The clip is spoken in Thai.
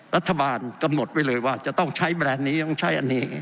รัฐบาลกำหนดไว้เลยว่าจะต้องใช้แบรนด์นี้ต้องใช้อันนี้